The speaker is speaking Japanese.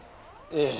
ええ。